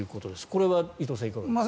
これは伊藤さん、いかがですか。